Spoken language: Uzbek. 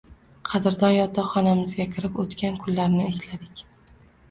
Qadrdon yotoqxonamizga kirib, oʻtgan kunlarni esladik.